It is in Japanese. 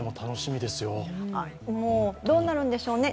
どうなるんでしょうね。